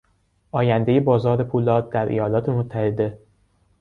آیندهی بازار پولاد در ایالات متحده